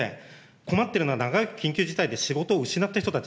困っているのは、長い緊急事態で、仕事を失った人たち。